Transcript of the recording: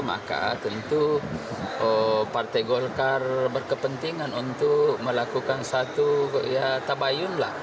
maka tentu partai golkar berkepentingan untuk melakukan satu ya tabayun lah